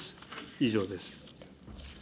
以上です。